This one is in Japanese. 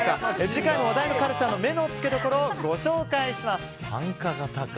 次回も話題のカルチャーの目のつけどころをご紹介します。